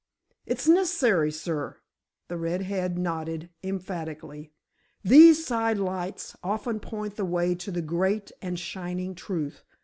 "It's necess'ry, sir." The red head nodded emphatically. "These sidelights often point the way to the great and shinin' truth!